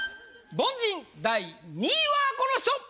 凡人第２位はこの人！